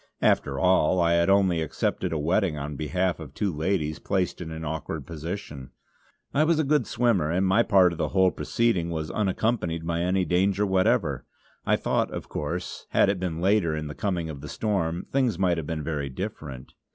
After all I had only accepted a wetting on behalf of two ladies placed in an awkward position. I was a good swimmer; and my part of the whole proceeding was unaccompanied by any danger whatever, I thought, of course, had it been later in the coming of the storm, things might have been very different.